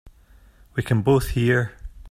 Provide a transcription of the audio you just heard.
We can both hear.